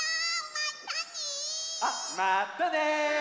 またね。